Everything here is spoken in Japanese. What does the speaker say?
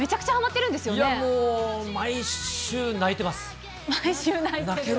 いやもう、毎週、泣いてる？